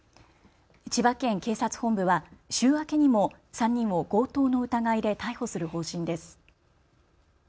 千葉県警察本部は週明けにも３人を強盗の疑いで逮捕する方針です。